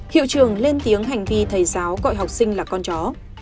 hiệu trường lên tiếng hành vi thầy giáo gọi học sinh là con chó